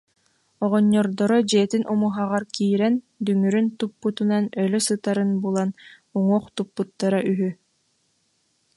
Оҕонньордоро дьиэтин умуһаҕар киирэн, дүҥүрүн туппутунан өлө сытарын булан, уҥуох туппуттара үһү